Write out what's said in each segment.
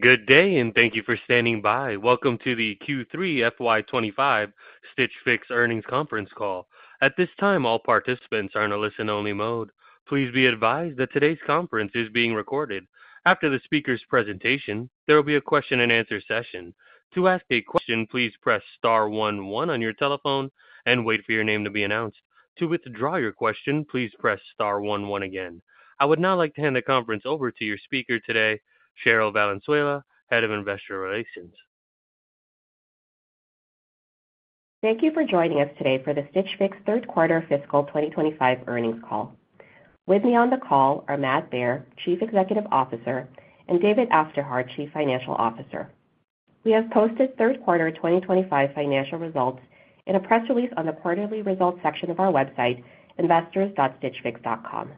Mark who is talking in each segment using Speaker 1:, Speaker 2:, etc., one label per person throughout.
Speaker 1: Good day, and thank you for standing by. Welcome to the Q3 FY25 Stitch Fix earnings conference call. At this time, all participants are in a listen-only mode. Please be advised that today's conference is being recorded. After the speaker's presentation, there will be a question-and-answer session. To ask a question, please press star one one on your telephone and wait for your name to be announced. To withdraw your question, please press star one one again. I would now like to hand the conference over to your speaker today, Cherryl Valenzuela, Head of Investor Relations.
Speaker 2: Thank you for joining us today for the Stitch Fix third-quarter fiscal 2025 earnings call. With me on the call are Matt Baer, Chief Executive Officer, and David Aufderhaar, Chief Financial Officer. We have posted third-quarter 2025 financial results in a press release on the quarterly results section of our website, investors.stitchfix.com.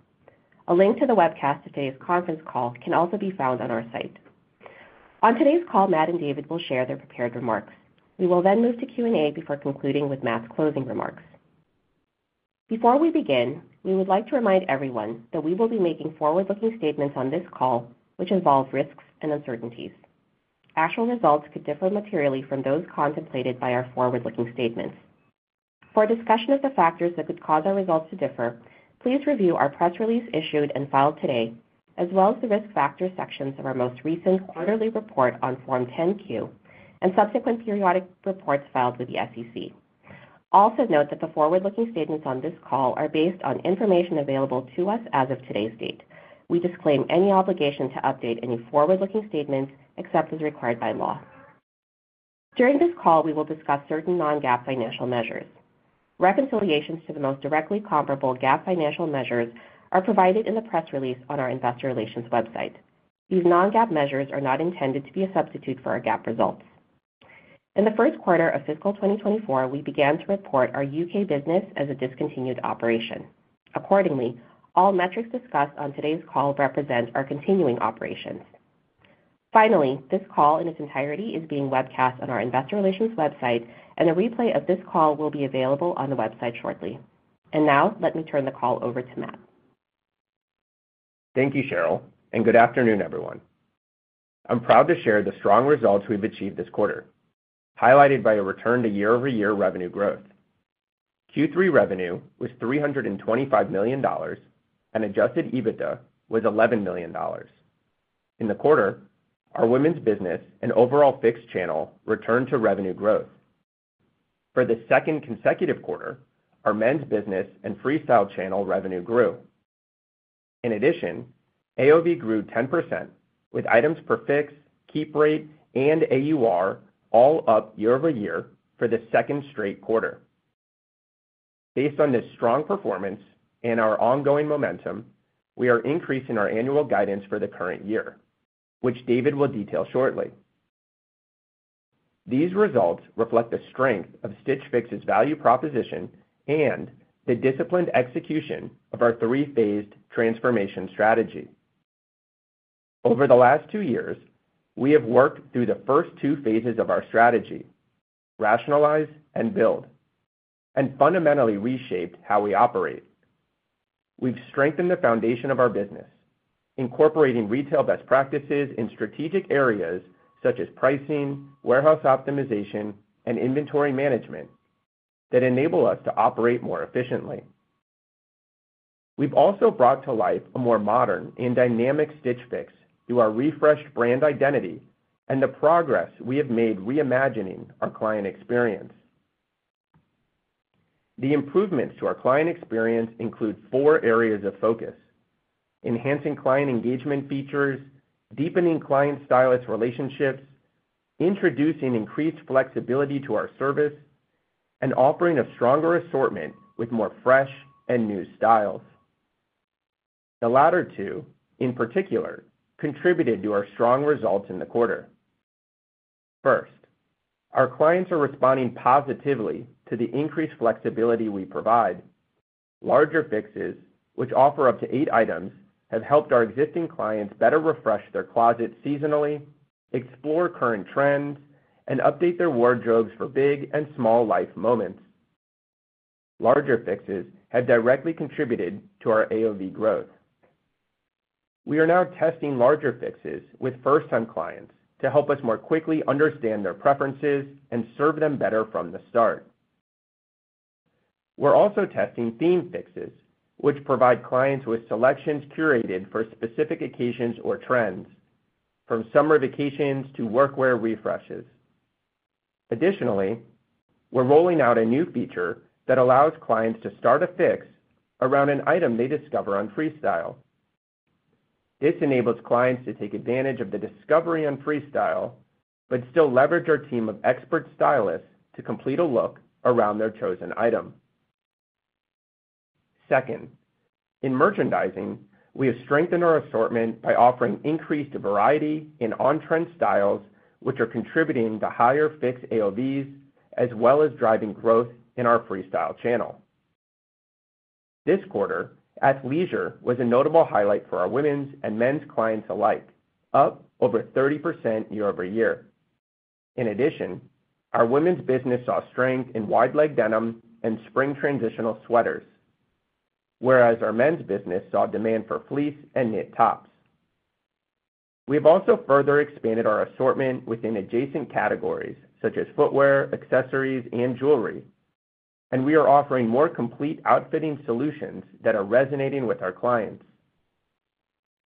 Speaker 2: A link to the webcast of today's conference call can also be found on our site. On today's call, Matt and David will share their prepared remarks. We will then move to Q&A before concluding with Matt's closing remarks. Before we begin, we would like to remind everyone that we will be making forward-looking statements on this call, which involve risks and uncertainties. Actual results could differ materially from those contemplated by our forward-looking statements. For discussion of the factors that could cause our results to differ, please review our press release issued and filed today, as well as the risk factor sections of our most recent quarterly report on Form 10Q and subsequent periodic reports filed with the SEC. Also note that the forward-looking statements on this call are based on information available to us as of today's date. We disclaim any obligation to update any forward-looking statements except as required by law. During this call, we will discuss certain non-GAAP financial measures. Reconciliations to the most directly comparable GAAP financial measures are provided in the press release on our Investor Relations website. These non-GAAP measures are not intended to be a substitute for our GAAP results. In the first quarter of fiscal 2024, we began to report our U.K. business as a discontinued operation. Accordingly, all metrics discussed on today's call represent our continuing operations. Finally, this call in its entirety is being webcast on our Investor Relations website, and a replay of this call will be available on the website shortly. Let me turn the call over to Matt.
Speaker 3: Thank you, Cheryl, and good afternoon, everyone. I'm proud to share the strong results we've achieved this quarter, highlighted by a return to year-over-year revenue growth. Q3 revenue was $325 million, and adjusted EBITDA was $11 million. In the quarter, our women's business and overall fixed channel returned to revenue growth. For the second consecutive quarter, our men's business and Freestyle channel revenue grew. In addition, AOV grew 10%, with items per fix, keep rate, and AUR all up year-over-year for the second straight quarter. Based on this strong performance and our ongoing momentum, we are increasing our annual guidance for the current year, which David will detail shortly. These results reflect the strength of Stitch Fix's value proposition and the disciplined execution of our three-phased transformation strategy. Over the last 2 years, we have worked through the first 2 phases of our strategy, rationalize and build, and fundamentally reshaped how we operate. We've strengthened the foundation of our business, incorporating retail best practices in strategic areas such as pricing, warehouse optimization, and inventory management that enable us to operate more efficiently. We've also brought to life a more modern and dynamic Stitch Fix through our refreshed brand identity and the progress we have made reimagining our client experience. The improvements to our client experience include four areas of focus: enhancing client engagement features, deepening client-stylist relationships, introducing increased flexibility to our service, and offering a stronger assortment with more fresh and new styles. The latter two, in particular, contributed to our strong results in the quarter. First, our clients are responding positively to the increased flexibility we provide. Larger fixes, which offer up to eight items, have helped our existing clients better refresh their closets seasonally, explore current trends, and update their wardrobes for big and small life moments. Larger fixes have directly contributed to our AOV growth. We are now testing larger fixes with first-time clients to help us more quickly understand their preferences and serve them better from the start. We're also testing theme fixes, which provide clients with selections curated for specific occasions or trends, from summer vacations to workwear refreshes. Additionally, we're rolling out a new feature that allows clients to start a fix around an item they discover on Freestyle. This enables clients to take advantage of the discovery on Freestyle but still leverage our team of expert stylists to complete a look around their chosen item. Second, in merchandising, we have strengthened our assortment by offering increased variety in on-trend styles, which are contributing to higher fix AOVs as well as driving growth in our Freestyle channel. This quarter, athleisure was a notable highlight for our women's and men's clients alike, up over 30% year-over-year. In addition, our women's business saw strength in wide-leg denim and spring transitional sweaters, whereas our men's business saw demand for fleece and knit tops. We have also further expanded our assortment within adjacent categories such as footwear, accessories, and jewelry, and we are offering more complete outfitting solutions that are resonating with our clients.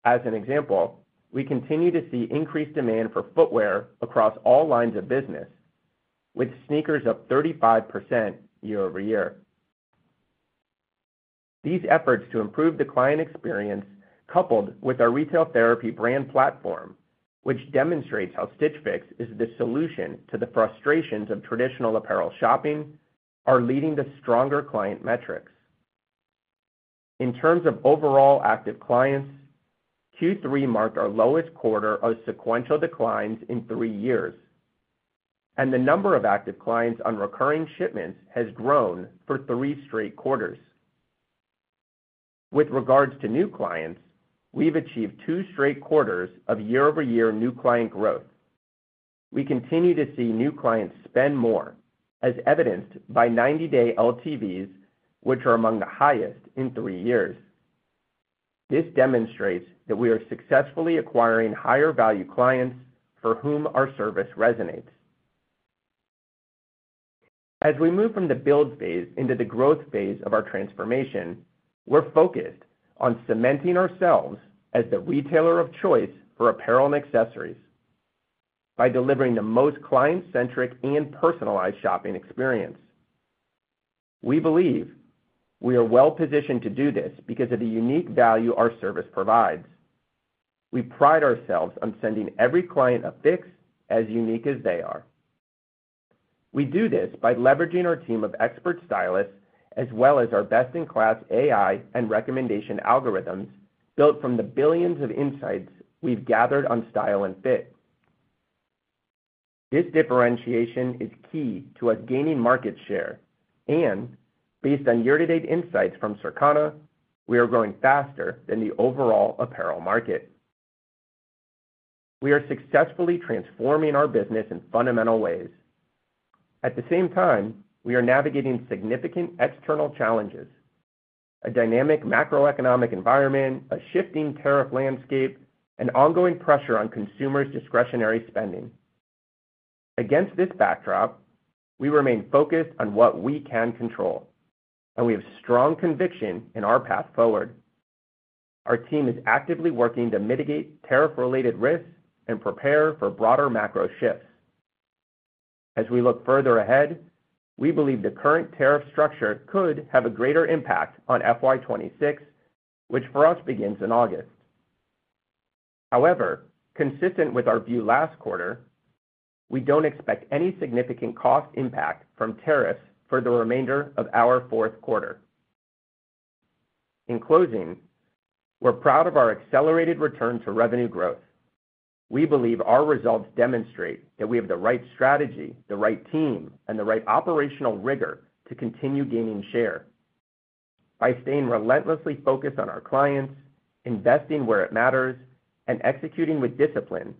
Speaker 3: As an example, we continue to see increased demand for footwear across all lines of business, with sneakers up 35% year-over-year. These efforts to improve the client experience, coupled with our retail therapy brand platform, which demonstrates how Stitch Fix is the solution to the frustrations of traditional apparel shopping, are leading to stronger client metrics. In terms of overall active clients, Q3 marked our lowest quarter of sequential declines in three years, and the number of active clients on recurring shipments has grown for 3 straight quarters. With regards to new clients, we've achieved two straight quarters of year-over-year new client growth. We continue to see new clients spend more, as evidenced by 90-day LTVs, which are among the highest in three years. This demonstrates that we are successfully acquiring higher-value clients for whom our service resonates. As we move from the build phase into the growth phase of our transformation, we're focused on cementing ourselves as the retailer of choice for apparel and accessories by delivering the most client-centric and personalized shopping experience. We believe we are well-positioned to do this because of the unique value our service provides. We pride ourselves on sending every client a fix as unique as they are. We do this by leveraging our team of expert stylists as well as our best-in-class AI and recommendation algorithms built from the billions of insights we've gathered on style and fit. This differentiation is key to us gaining market share, and based on year-to-date insights from Circana, we are growing faster than the overall apparel market. We are successfully transforming our business in fundamental ways. At the same time, we are navigating significant external challenges: a dynamic macroeconomic environment, a shifting tariff landscape, and ongoing pressure on consumers' discretionary spending. Against this backdrop, we remain focused on what we can control, and we have strong conviction in our path forward. Our team is actively working to mitigate tariff-related risks and prepare for broader macro shifts. As we look further ahead, we believe the current tariff structure could have a greater impact on FY26, which for us begins in August. However, consistent with our view last quarter, we do not expect any significant cost impact from tariffs for the remainder of our fourth quarter. In closing, we are proud of our accelerated return to revenue growth. We believe our results demonstrate that we have the right strategy, the right team, and the right operational rigor to continue gaining share. By staying relentlessly focused on our clients, investing where it matters, and executing with discipline,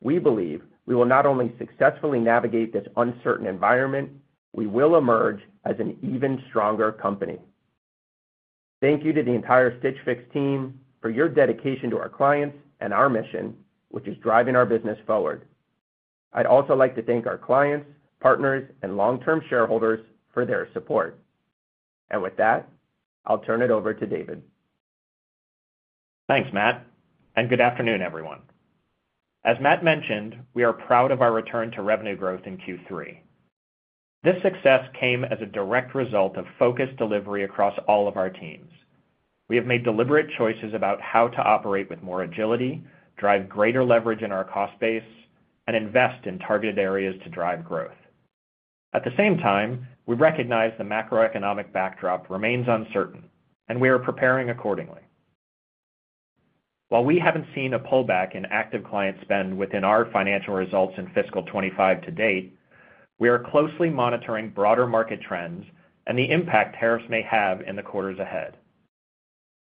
Speaker 3: we believe we will not only successfully navigate this uncertain environment, we will emerge as an even stronger company. Thank you to the entire Stitch Fix team for your dedication to our clients and our mission, which is driving our business forward. I would also like to thank our clients, partners, and long-term shareholders for their support. With that, I will turn it over to David.
Speaker 4: Thanks, Matt. Good afternoon, everyone. As Matt mentioned, we are proud of our return to revenue growth in Q3. This success came as a direct result of focused delivery across all of our teams. We have made deliberate choices about how to operate with more agility, drive greater leverage in our cost base, and invest in targeted areas to drive growth. At the same time, we recognize the macroeconomic backdrop remains uncertain, and we are preparing accordingly. While we have not seen a pullback in active client spend within our financial results in fiscal 2025 to date, we are closely monitoring broader market trends and the impact tariffs may have in the quarters ahead.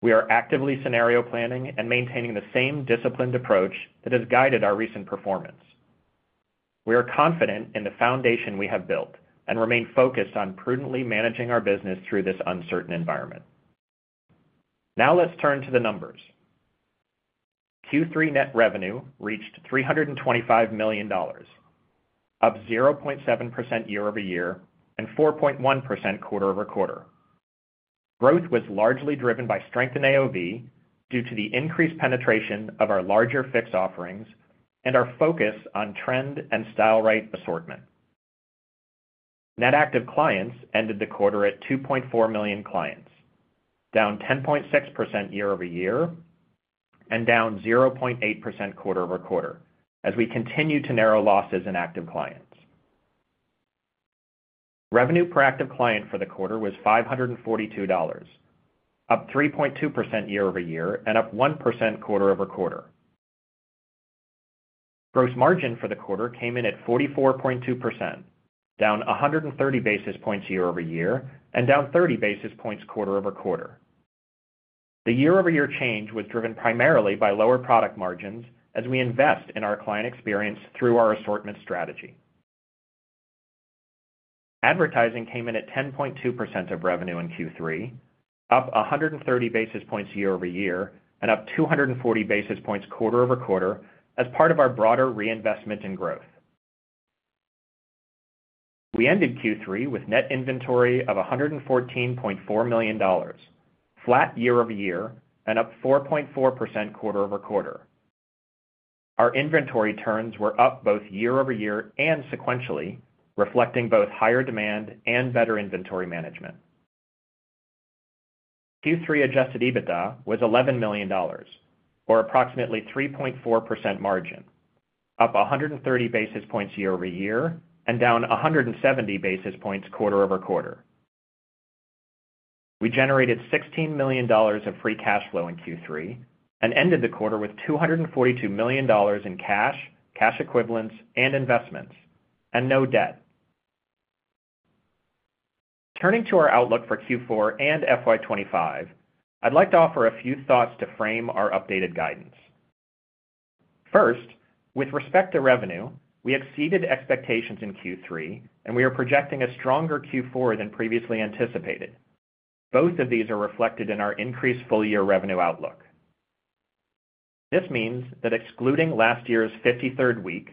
Speaker 4: We are actively scenario planning and maintaining the same disciplined approach that has guided our recent performance. We are confident in the foundation we have built and remain focused on prudently managing our business through this uncertain environment. Now let's turn to the numbers. Q3 net revenue reached $325 million, up 0.7% year-over-year and 4.1% quarter-over-quarter. Growth was largely driven by strength in AOV due to the increased penetration of our larger fix offerings and our focus on trend and style-right assortment. Net active clients ended the quarter at 2.4 million clients, down 10.6% year-over-year and down 0.8% quarter-over-quarter as we continue to narrow losses in active clients. Revenue per active client for the quarter was $542, up 3.2% year-over-year and up 1% quarter-over-quarter. Gross margin for the quarter came in at 44.2%, down 130 basis points year-over-year and down 30 basis points quarter-over-quarter. The year-over-year change was driven primarily by lower product margins as we invest in our client experience through our assortment strategy. Advertising came in at 10.2% of revenue in Q3, up 130 basis points year-over-year and up 240 basis points quarter-over-quarter as part of our broader reinvestment in growth. We ended Q3 with net inventory of $114.4 million, flat year-over-year and up 4.4% quarter-over-quarter. Our inventory turns were up both year-over-year and sequentially, reflecting both higher demand and better inventory management. Q3 adjusted EBITDA was $11 million, or approximately 3.4% margin, up 130 basis points year-over-year and down 170 basis points quarter-over-quarter. We generated $16 million of free cash flow in Q3 and ended the quarter with $242 million in cash, cash equivalents, and investments, and no debt. Turning to our outlook for Q4 and FY2025, I'd like to offer a few thoughts to frame our updated guidance. First, with respect to revenue, we exceeded expectations in Q3 and we are projecting a stronger Q4 than previously anticipated. Both of these are reflected in our increased full-year revenue outlook. This means that excluding last year's 53rd week,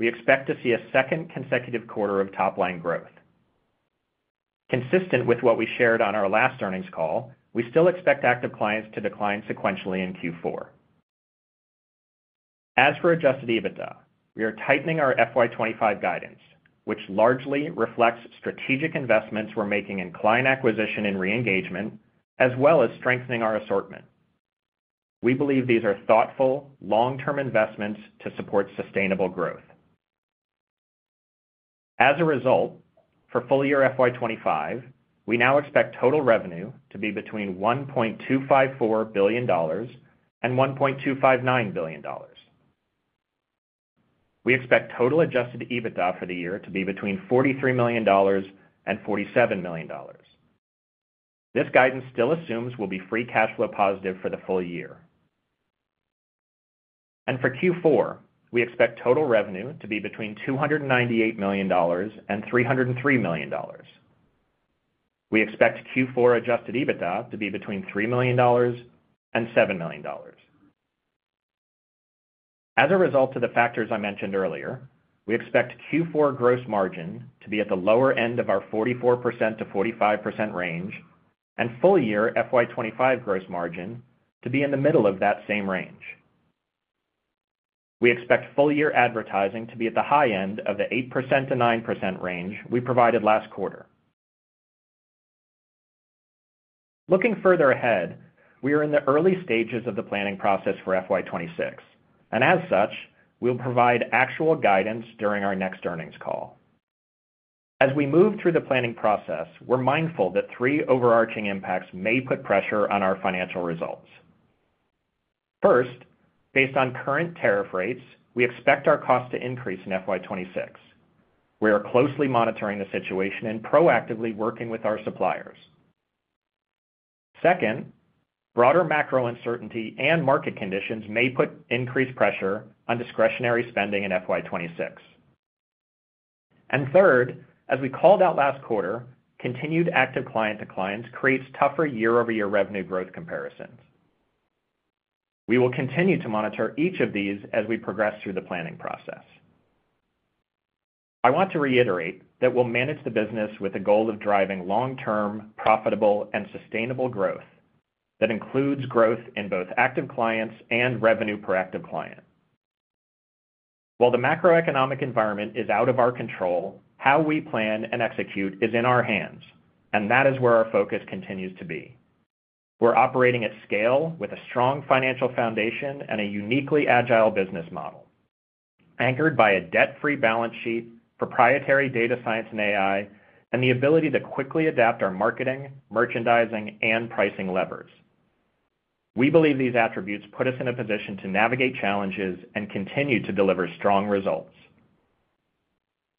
Speaker 4: we expect to see a second consecutive quarter of top-line growth. Consistent with what we shared on our last earnings call, we still expect active clients to decline sequentially in Q4. As for adjusted EBITDA, we are tightening our FY25 guidance, which largely reflects strategic investments we're making in client acquisition and reengagement, as well as strengthening our assortment. We believe these are thoughtful, long-term investments to support sustainable growth. As a result, for full-year FY25, we now expect total revenue to be between $1.254 billion and $1.259 billion. We expect total adjusted EBITDA for the year to be between $43 million and $47 million. This guidance still assumes we'll be free cash flow positive for the full year. For Q4, we expect total revenue to be between $298 million and $303 million. We expect Q4 adjusted EBITDA to be between $3 million and $7 million. As a result of the factors I mentioned earlier, we expect Q4 gross margin to be at the lower end of our 44%-45% range, and full-year FY25 gross margin to be in the middle of that same range. We expect full-year advertising to be at the high end of the 8%-9% range we provided last quarter. Looking further ahead, we are in the early stages of the planning process for FY26, and as such, we'll provide actual guidance during our next earnings call. As we move through the planning process, we're mindful that three overarching impacts may put pressure on our financial results. First, based on current tariff rates, we expect our cost to increase in FY26. We are closely monitoring the situation and proactively working with our suppliers. Second, broader macro uncertainty and market conditions may put increased pressure on discretionary spending in FY26. Third, as we called out last quarter, continued active client declines create tougher year-over-year revenue growth comparisons. We will continue to monitor each of these as we progress through the planning process. I want to reiterate that we'll manage the business with a goal of driving long-term, profitable, and sustainable growth that includes growth in both active clients and revenue per active client. While the macroeconomic environment is out of our control, how we plan and execute is in our hands, and that is where our focus continues to be. We're operating at scale with a strong financial foundation and a uniquely agile business model, anchored by a debt-free balance sheet, proprietary data science and AI, and the ability to quickly adapt our marketing, merchandising, and pricing levers. We believe these attributes put us in a position to navigate challenges and continue to deliver strong results.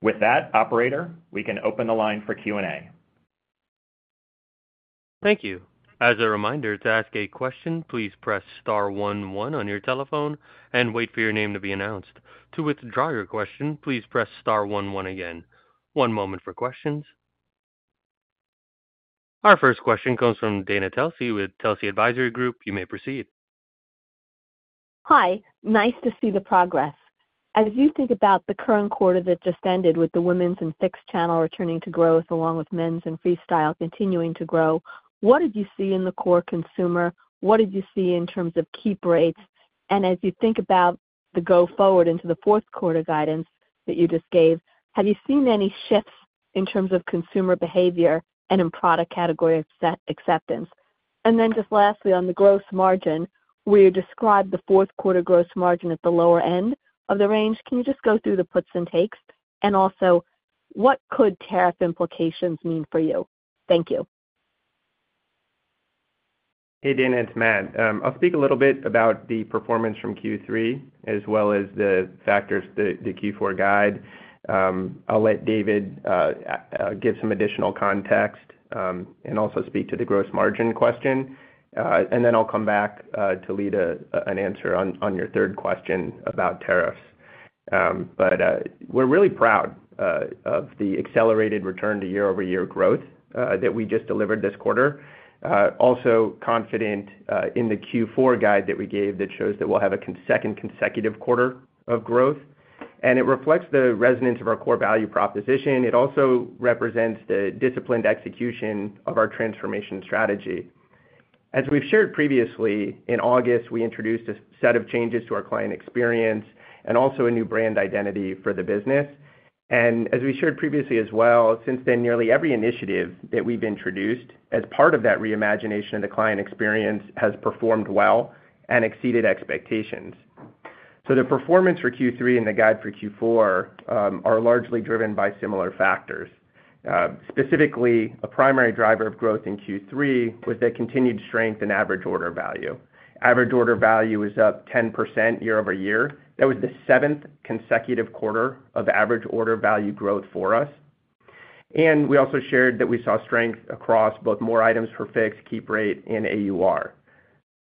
Speaker 4: With that, Operator, we can open the line for Q&A.
Speaker 1: Thank you. As a reminder, to ask a question, please press star one one on your telephone and wait for your name to be announced. To withdraw your question, please press star one one again. One moment for questions. Our first question comes from Dana Telsey with Telsey Advisory Group. You may proceed.
Speaker 5: Hi. Nice to see the progress. As you think about the current quarter that just ended with the women's and Fix channel returning to growth, along with men's and Freestyle continuing to grow, what did you see in the core consumer? What did you see in terms of keep rates? As you think about the go-forward into the fourth quarter guidance that you just gave, have you seen any shifts in terms of consumer behavior and in product category acceptance? Lastly, on the gross margin, where you described the fourth quarter gross margin at the lower end of the range, can you just go through the puts and takes? Also, what could tariff implications mean for you? Thank you.
Speaker 3: Hey, Dana. It's Matt. I'll speak a little bit about the performance from Q3, as well as the factors that the Q4 guide. I'll let David give some additional context and also speak to the gross margin question. I'll come back to lead an answer on your third question about tariffs. We're really proud of the accelerated return to year-over-year growth that we just delivered this quarter. We're also confident in the Q4 guide that we gave that shows that we'll have a second consecutive quarter of growth. It reflects the resonance of our core value proposition. It also represents the disciplined execution of our transformation strategy. As we've shared previously, in August, we introduced a set of changes to our client experience and also a new brand identity for the business. As we shared previously as well, since then, nearly every initiative that we've introduced as part of that reimagination of the client experience has performed well and exceeded expectations. The performance for Q3 and the guide for Q4 are largely driven by similar factors. Specifically, a primary driver of growth in Q3 was that continued strength in average order value. Average order value was up 10% year-over-year. That was the seventh consecutive quarter of average order value growth for us. We also shared that we saw strength across both more items per fix, keep rate, and AUR.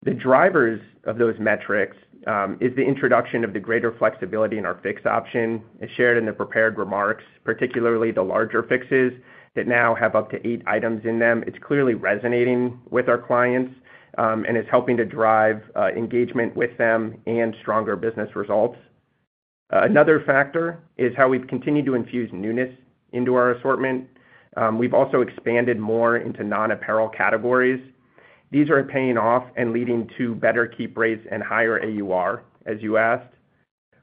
Speaker 3: The drivers of those metrics are the introduction of the greater flexibility in our fix option. As shared in the prepared remarks, particularly the larger fixes that now have up to eight items in them, it's clearly resonating with our clients and is helping to drive engagement with them and stronger business results. Another factor is how we've continued to infuse newness into our assortment. We've also expanded more into non-apparel categories. These are paying off and leading to better keep rates and higher AUR, as you asked.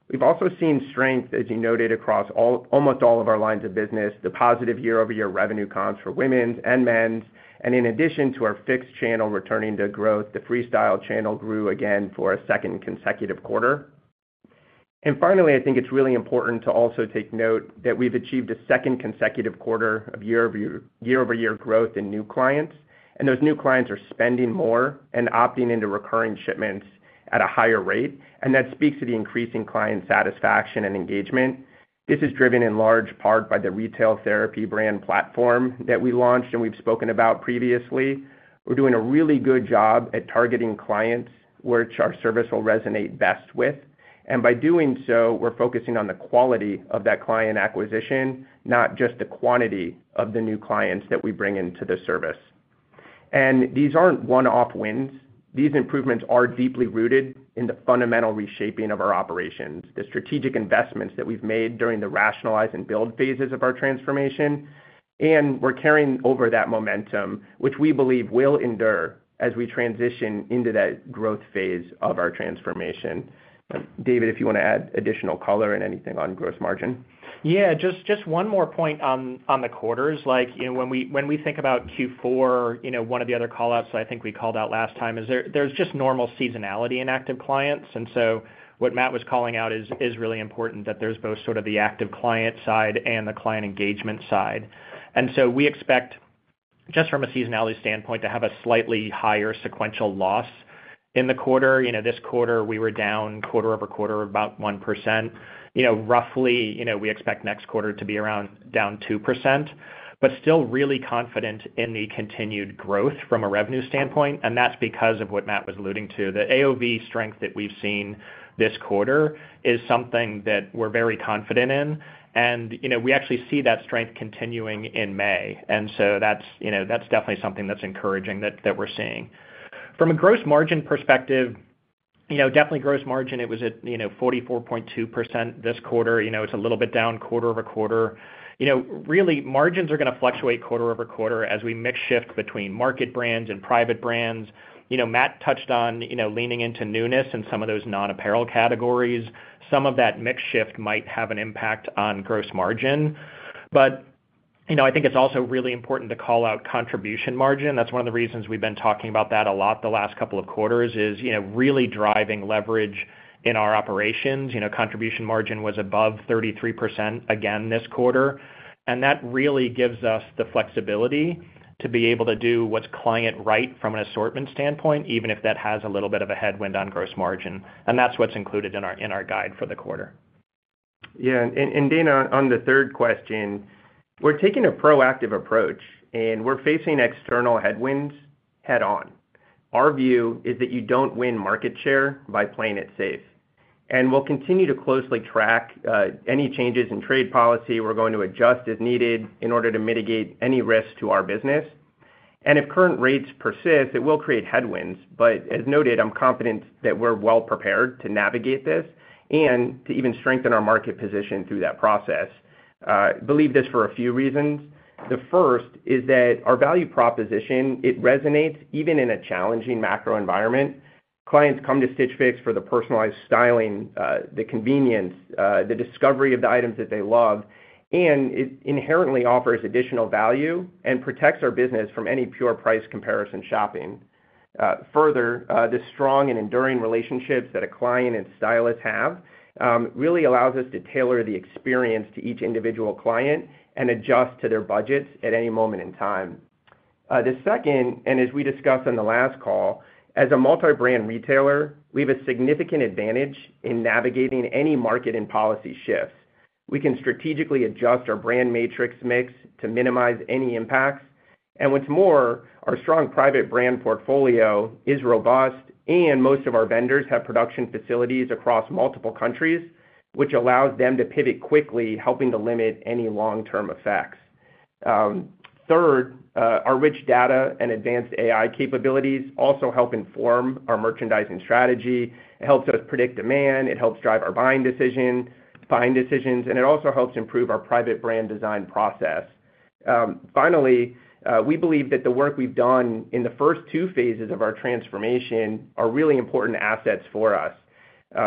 Speaker 3: We've also seen strength, as you noted, across almost all of our lines of business. The positive year-over-year revenue cons for women's and men's. In addition to our fixed channel returning to growth, the Freestyle channel grew again for a second consecutive quarter. Finally, I think it's really important to also take note that we've achieved a second consecutive quarter of year-over-year growth in new clients. Those new clients are spending more and opting into recurring shipments at a higher rate. That speaks to the increasing client satisfaction and engagement. This is driven in large part by the retail therapy brand platform that we launched and we have spoken about previously. We are doing a really good job at targeting clients which our service will resonate best with. By doing so, we are focusing on the quality of that client acquisition, not just the quantity of the new clients that we bring into the service. These are not one-off wins. These improvements are deeply rooted in the fundamental reshaping of our operations, the strategic investments that we have made during the rationalize and build phases of our transformation. We are carrying over that momentum, which we believe will endure as we transition into that growth phase of our transformation. David, if you want to add additional color in anything on gross margin.
Speaker 4: Yeah. Just one more point on the quarters. When we think about Q4, one of the other callouts I think we called out last time is there's just normal seasonality in active clients. What Matt was calling out is really important that there's both sort of the active client side and the client engagement side. We expect, just from a seasonality standpoint, to have a slightly higher sequential loss in the quarter. This quarter, we were down quarter-over-quarter about 1%. Roughly, we expect next quarter to be around down 2%, but still really confident in the continued growth from a revenue standpoint. That is because of what Matt was alluding to. The AOV strength that we've seen this quarter is something that we're very confident in. We actually see that strength continuing in May. That is definitely something that's encouraging that we're seeing. From a gross margin perspective, definitely gross margin, it was at 44.2% this quarter. It's a little bit down quarter-over-quarter. Really, margins are going to fluctuate quarter-over-quarter as we mix shift between market brands and private brands. Matt touched on leaning into newness in some of those non-apparel categories. Some of that mix shift might have an impact on gross margin. I think it's also really important to call out contribution margin. That's one of the reasons we've been talking about that a lot the last couple of quarters is really driving leverage in our operations. Contribution margin was above 33% again this quarter. That really gives us the flexibility to be able to do what's client right from an assortment standpoint, even if that has a little bit of a headwind on gross margin. That's what's included in our guide for the quarter. Yeah. Dana, on the third question, we're taking a proactive approach, and we're facing external headwinds head-on. Our view is that you do not win market share by playing it safe. We will continue to closely track any changes in trade policy. We are going to adjust as needed in order to mitigate any risk to our business. If current rates persist, it will create headwinds. As noted, I am confident that we are well prepared to navigate this and to even strengthen our market position through that process. I believe this for a few reasons. The first is that our value proposition resonates even in a challenging macro environment. Clients come to Stitch Fix for the personalized styling, the convenience, the discovery of the items that they love. It inherently offers additional value and protects our business from any pure price comparison shopping. Further, the strong and enduring relationships that a client and stylist have really allows us to tailor the experience to each individual client and adjust to their budgets at any moment in time. The second, and as we discussed on the last call, as a multi-brand retailer, we have a significant advantage in navigating any market and policy shifts. We can strategically adjust our brand mix to minimize any impacts. What's more, our strong private brand portfolio is robust, and most of our vendors have production facilities across multiple countries, which allows them to pivot quickly, helping to limit any long-term effects. Third, our rich data and advanced AI capabilities also help inform our merchandising strategy. It helps us predict demand. It helps drive our buying decisions, and it also helps improve our private brand design process. Finally, we believe that the work we've done in the first two phases of our transformation are really important assets for us.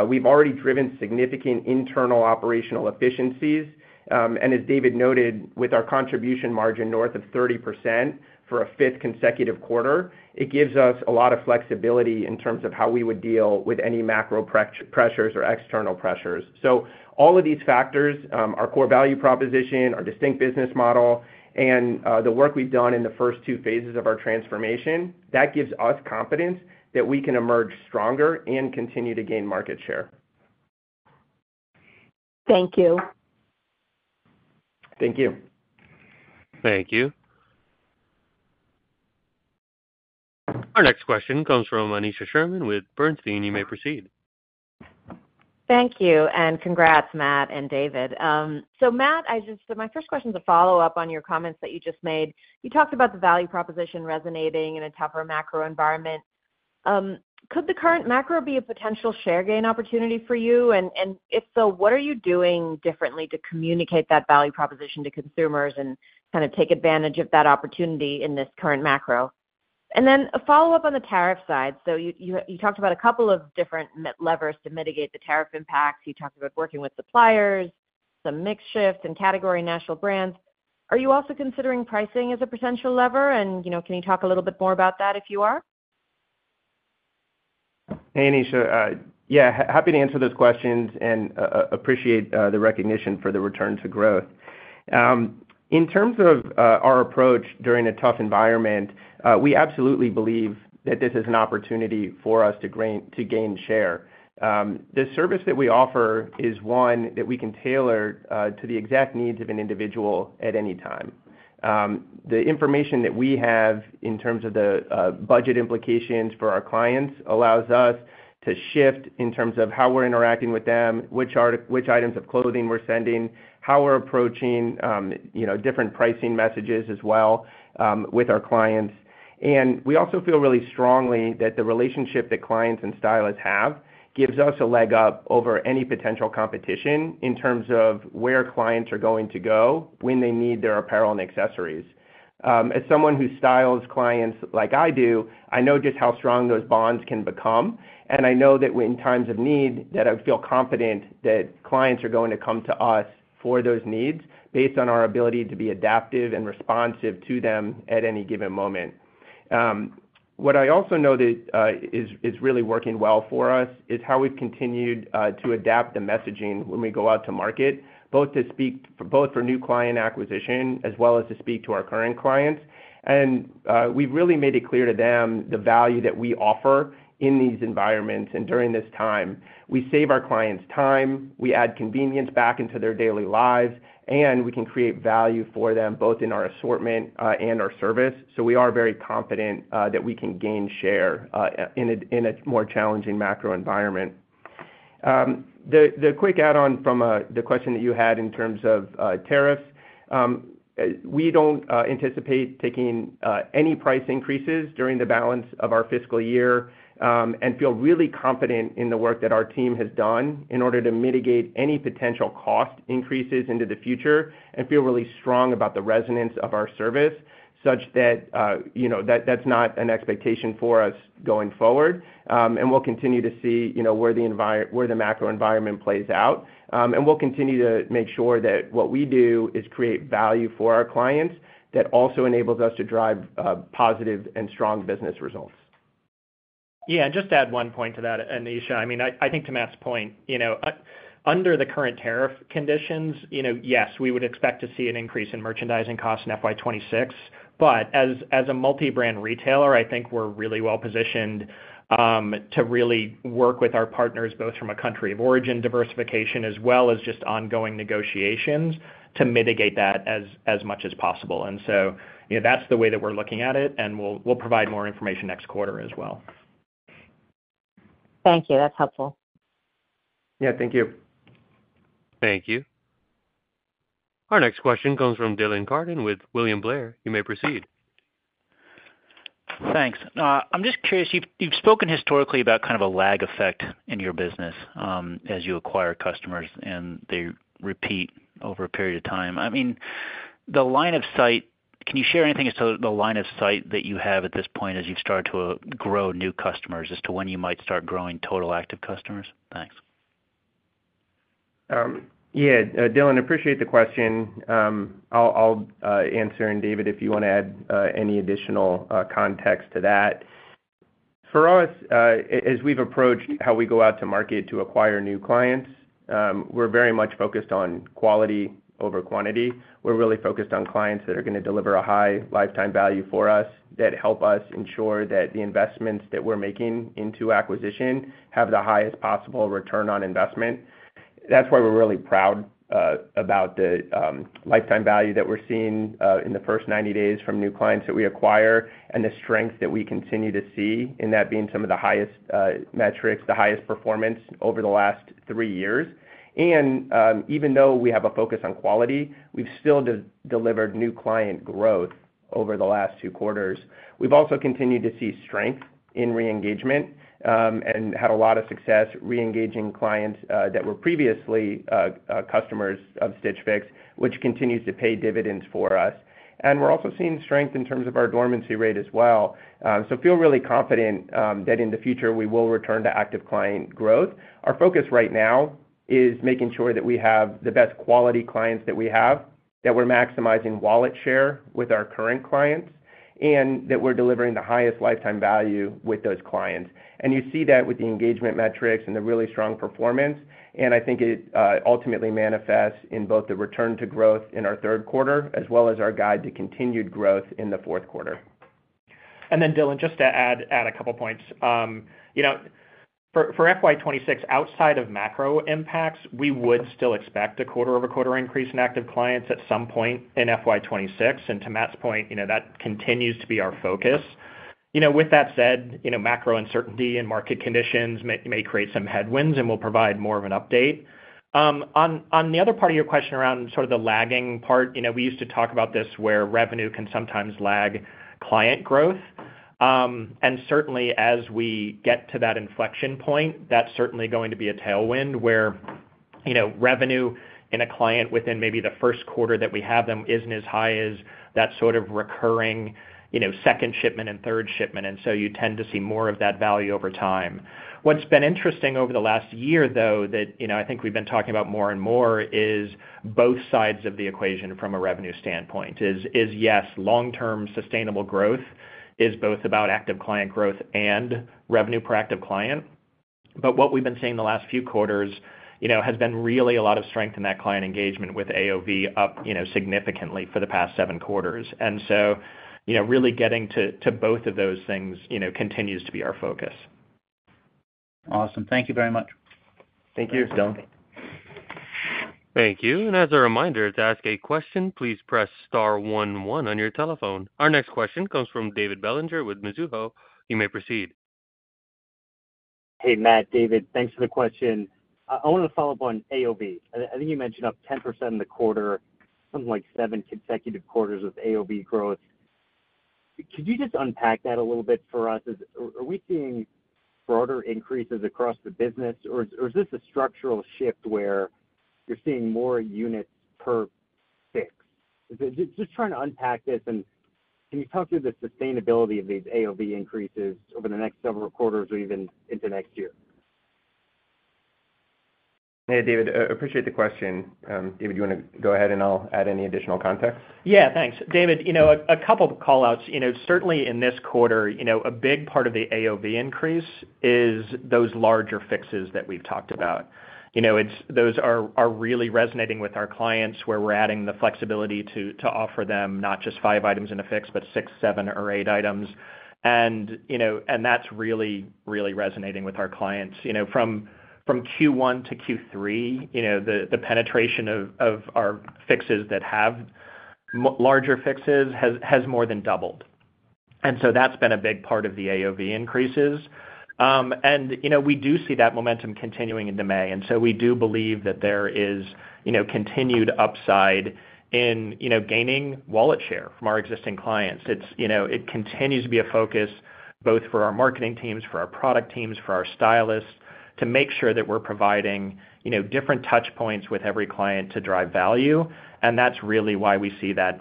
Speaker 4: We've already driven significant internal operational efficiencies. As David noted, with our contribution margin north of 30% for a fifth consecutive quarter, it gives us a lot of flexibility in terms of how we would deal with any macro pressures or external pressures. All of these factors, our core value proposition, our distinct business model, and the work we've done in the first two phases of our transformation, that gives us confidence that we can emerge stronger and continue to gain market share.
Speaker 5: Thank you.
Speaker 3: Thank you.
Speaker 1: Thank you. Our next question comes from Aneesha Sherman with Bernstein. You may proceed.
Speaker 6: Thank you. Congrats, Matt and David. Matt, my first question is a follow-up on your comments that you just made. You talked about the value proposition resonating in a tougher macro environment. Could the current macro be a potential share gain opportunity for you? If so, what are you doing differently to communicate that value proposition to consumers and kind of take advantage of that opportunity in this current macro? A follow-up on the tariff side. You talked about a couple of different levers to mitigate the tariff impacts. You talked about working with suppliers, some mix shifts, and category national brands. Are you also considering pricing as a potential lever? Can you talk a little bit more about that if you are?
Speaker 3: Hey, Aneesha. Yeah. Happy to answer those questions and appreciate the recognition for the return to growth. In terms of our approach during a tough environment, we absolutely believe that this is an opportunity for us to gain share. The service that we offer is one that we can tailor to the exact needs of an individual at any time. The information that we have in terms of the budget implications for our clients allows us to shift in terms of how we're interacting with them, which items of clothing we're sending, how we're approaching different pricing messages as well with our clients. We also feel really strongly that the relationship that clients and stylists have gives us a leg up over any potential competition in terms of where clients are going to go when they need their apparel and accessories. As someone who styles clients like I do, I know just how strong those bonds can become. I know that in times of need, I feel confident that clients are going to come to us for those needs based on our ability to be adaptive and responsive to them at any given moment. What I also know that is really working well for us is how we've continued to adapt the messaging when we go out to market, both for new client acquisition as well as to speak to our current clients. We have really made it clear to them the value that we offer in these environments and during this time. We save our clients time. We add convenience back into their daily lives. We can create value for them both in our assortment and our service. We are very confident that we can gain share in a more challenging macro environment. The quick add-on from the question that you had in terms of tariffs, we do not anticipate taking any price increases during the balance of our fiscal year and feel really confident in the work that our team has done in order to mitigate any potential cost increases into the future and feel really strong about the resonance of our service such that that is not an expectation for us going forward. We will continue to see where the macro environment plays out. We will continue to make sure that what we do is create value for our clients that also enables us to drive positive and strong business results.
Speaker 4: Yeah. Just to add one point to that, Anisha. I mean, I think to Matt's point, under the current tariff conditions, yes, we would expect to see an increase in merchandising costs in FY26. As a multi-brand retailer, I think we're really well positioned to really work with our partners both from a country of origin diversification as well as just ongoing negotiations to mitigate that as much as possible. That is the way that we're looking at it. We will provide more information next quarter as well.
Speaker 6: Thank you. That's helpful.
Speaker 3: Yeah, thank you.
Speaker 1: Thank you. Our next question comes from Dylan Carden with William Blair. You may proceed.
Speaker 7: Thanks. I'm just curious. You've spoken historically about kind of a lag effect in your business as you acquire customers and they repeat over a period of time. I mean, the line of sight, can you share anything as to the line of sight that you have at this point as you've started to grow new customers as to when you might start growing total active customers? Thanks.
Speaker 3: Yeah. Dylan, I appreciate the question. I'll answer. David, if you want to add any additional context to that. For us, as we've approached how we go out to market to acquire new clients, we're very much focused on quality over quantity. We're really focused on clients that are going to deliver a high lifetime value for us that help us ensure that the investments that we're making into acquisition have the highest possible return on investment. That's why we're really proud about the lifetime value that we're seeing in the first 90 days from new clients that we acquire and the strength that we continue to see in that being some of the highest metrics, the highest performance over the last three years. Even though we have a focus on quality, we've still delivered new client growth over the last two quarters. have also continued to see strength in re-engagement and had a lot of success re-engaging clients that were previously customers of Stitch Fix, which continues to pay dividends for us. We are also seeing strength in terms of our dormancy rate as well. I feel really confident that in the future, we will return to active client growth. Our focus right now is making sure that we have the best quality clients that we have, that we are maximizing wallet share with our current clients, and that we are delivering the highest lifetime value with those clients. You see that with the engagement metrics and the really strong performance. I think it ultimately manifests in both the return to growth in our third quarter as well as our guide to continued growth in the fourth quarter.
Speaker 4: Dylan, just to add a couple of points. For FY2026, outside of macro impacts, we would still expect a quarter-over-quarter increase in active clients at some point in FY2026. To Matt's point, that continues to be our focus. With that said, macro uncertainty and market conditions may create some headwinds, and we'll provide more of an update. On the other part of your question around sort of the lagging part, we used to talk about this where revenue can sometimes lag client growth. Certainly, as we get to that inflection point, that's certainly going to be a tailwind where revenue in a client within maybe the first quarter that we have them isn't as high as that sort of recurring second shipment and third shipment. You tend to see more of that value over time. What's been interesting over the last year, though, that I think we've been talking about more and more is both sides of the equation from a revenue standpoint is, yes, long-term sustainable growth is both about active client growth and revenue per active client. What we've been seeing the last few quarters has been really a lot of strength in that client engagement with AOV up significantly for the past seven quarters. Really getting to both of those things continues to be our focus.
Speaker 7: Awesome. Thank you very much.
Speaker 4: Thank you, Dylan.
Speaker 1: Thank you. As a reminder to ask a question, please press star one one on your telephone. Our next question comes from David Bellinger with Mizuho. You may proceed.
Speaker 6: Hey, Matt, David, thanks for the question. I want to follow up on AOV. I think you mentioned up 10% in the quarter, something like seven consecutive quarters of AOV growth. Could you just unpack that a little bit for us? Are we seeing broader increases across the business, or is this a structural shift where you're seeing more units per fix? Just trying to unpack this. Can you talk through the sustainability of these AOV increases over the next several quarters or even into next year?
Speaker 3: Hey, David, appreciate the question. David, do you want to go ahead and I'll add any additional context?
Speaker 4: Yeah, thanks. David, a couple of callouts. Certainly, in this quarter, a big part of the AOV increase is those larger fixes that we've talked about. Those are really resonating with our clients where we're adding the flexibility to offer them not just five items in a fix, but six, seven, or eight items. That's really, really resonating with our clients. From Q1 to Q3, the penetration of our fixes that have larger fixes has more than doubled. That's been a big part of the AOV increases. We do see that momentum continuing into May. We do believe that there is continued upside in gaining wallet share from our existing clients. It continues to be a focus both for our marketing teams, for our product teams, for our stylists to make sure that we're providing different touchpoints with every client to drive value. That's really why we see that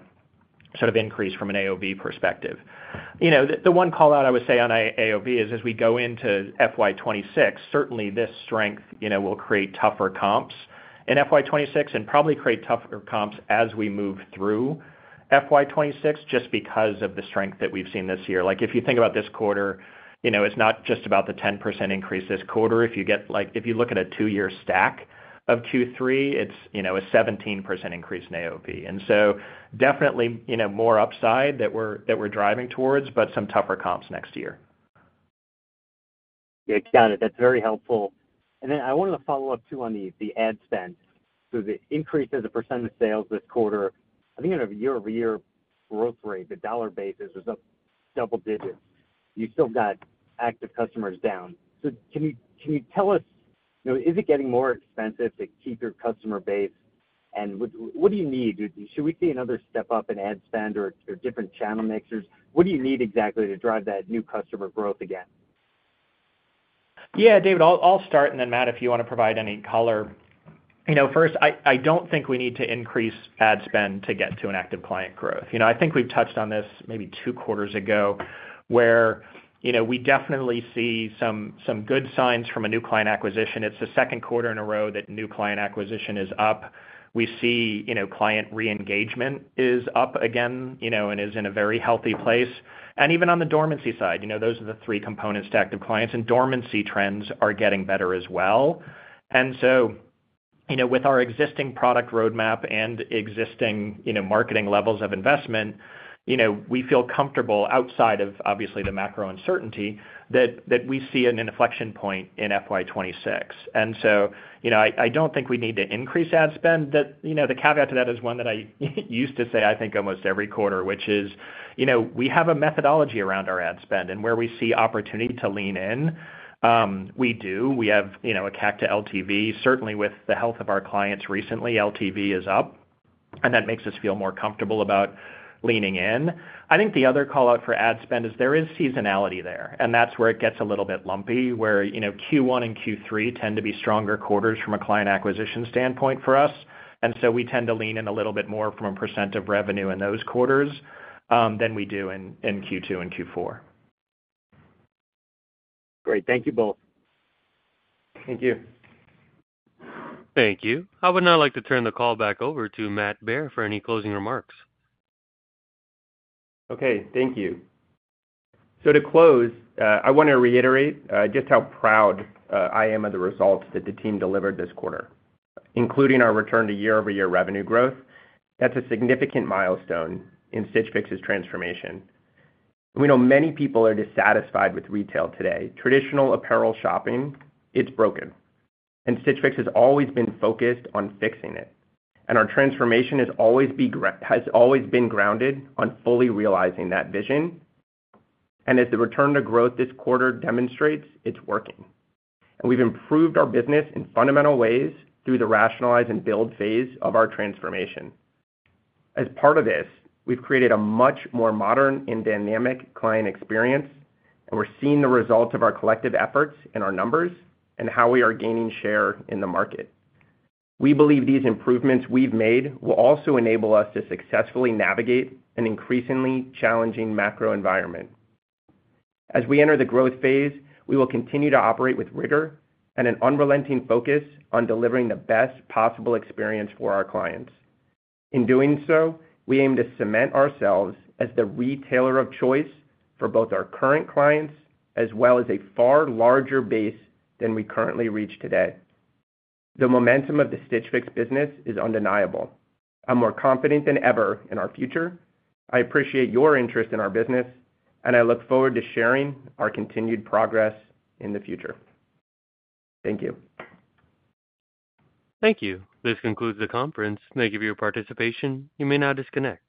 Speaker 4: sort of increase from an AOV perspective. The one callout I would say on AOV is as we go into FY2026, certainly this strength will create tougher comps in FY2026 and probably create tougher comps as we move through FY2026 just because of the strength that we've seen this year. If you think about this quarter, it's not just about the 10% increase this quarter. If you look at a two-year stack of Q3, it's a 17% increase in AOV. Definitely more upside that we're driving towards, but some tougher comps next year.
Speaker 8: Yeah, got it. That's very helpful. I wanted to follow up too on the ad spend. The increase in the percent of sales this quarter, I think at a year-over-year growth rate, the dollar basis was up double digits. You still got active customers down. Can you tell us, is it getting more expensive to keep your customer base? What do you need? Should we see another step up in ad spend or different channel mixers? What do you need exactly to drive that new customer growth again?
Speaker 4: Yeah, David, I'll start. Then, Matt, if you want to provide any color. First, I don't think we need to increase ad spend to get to an active client growth. I think we've touched on this maybe two quarters ago where we definitely see some good signs from a new client acquisition. It's the second quarter in a row that new client acquisition is up. We see client re-engagement is up again and is in a very healthy place. Even on the dormancy side, those are the three components to active clients. Dormancy trends are getting better as well. With our existing product roadmap and existing marketing levels of investment, we feel comfortable outside of, obviously, the macro uncertainty that we see an inflection point in fiscal year 2026. I don't think we need to increase ad spend. The caveat to that is one that I used to say, I think, almost every quarter, which is we have a methodology around our ad spend. Where we see opportunity to lean in, we do. We have a CAC to LTV. Certainly, with the health of our clients recently, LTV is up. That makes us feel more comfortable about leaning in. I think the other callout for ad spend is there is seasonality there. That is where it gets a little bit lumpy where Q1 and Q3 tend to be stronger quarters from a client acquisition standpoint for us. We tend to lean in a little bit more from a percent of revenue in those quarters than we do in Q2 and Q4.
Speaker 8: Great. Thank you both.
Speaker 3: Thank you.
Speaker 1: Thank you. Now, I'd like to turn the call back over to Matt Baer for any closing remarks.
Speaker 3: Okay. Thank you. To close, I want to reiterate just how proud I am of the results that the team delivered this quarter, including our return to year-over-year revenue growth. That is a significant milestone in Stitch Fix's transformation. We know many people are dissatisfied with retail today. Traditional apparel shopping, it is broken. Stitch Fix has always been focused on fixing it. Our transformation has always been grounded on fully realizing that vision. As the return to growth this quarter demonstrates, it is working. We have improved our business in fundamental ways through the rationalize and build phase of our transformation. As part of this, we have created a much more modern and dynamic client experience. We are seeing the results of our collective efforts in our numbers and how we are gaining share in the market. We believe these improvements we have made will also enable us to successfully navigate an increasingly challenging macro environment. As we enter the growth phase, we will continue to operate with rigor and an unrelenting focus on delivering the best possible experience for our clients. In doing so, we aim to cement ourselves as the retailer of choice for both our current clients as well as a far larger base than we currently reach today. The momentum of the Stitch Fix business is undeniable. I am more confident than ever in our future. I appreciate your interest in our business. I look forward to sharing our continued progress in the future. Thank you.
Speaker 1: Thank you. This concludes the conference. Thank you for your participation. You may now disconnect.